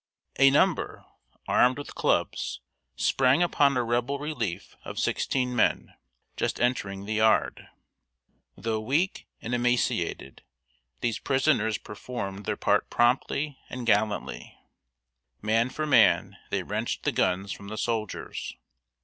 A number, armed with clubs, sprang upon a Rebel relief of sixteen men, just entering the yard. Though weak and emaciated, these prisoners performed their part promptly and gallantly. Man for man, they wrenched the guns from the soldiers.